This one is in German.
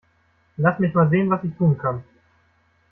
Lass mich mal sehen, was ich tun kann.